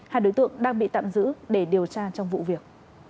hai đối tượng đang bị tạm giữ để điều tra trong vụ việc